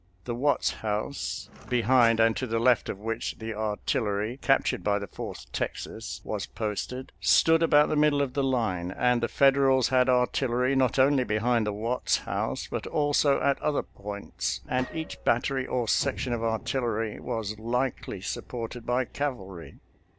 The Watts house — ^behind and to the left of which FOURTH TEXAS AT GAINES' MILLS 297 the artillery, captured by the Fourth Texas, was posted — stood about the middle of the line; and the Federals had artillery not only behind the Watts house, but also at other points, and each battery or section of artillery was likely sup ported by cavalry.